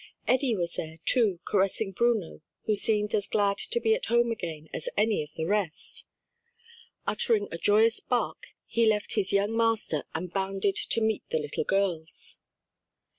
Eddie was there, too, caressing Bruno who seemed as glad to be at home again as any of the rest. Uttering a joyous bark he left his young master and bounded to meet the little girls.